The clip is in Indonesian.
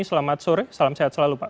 selamat sore salam sehat selalu pak